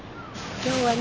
今日はね